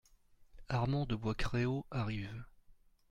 Armand de Bois-Créault arrive.